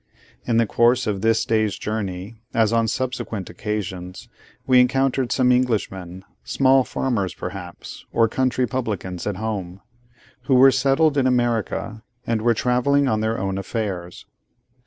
In the course of this day's journey, as on subsequent occasions, we encountered some Englishmen (small farmers, perhaps, or country publicans at home) who were settled in America, and were travelling on their own affairs.